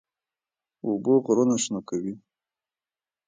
اوبه غرونه شنه کوي.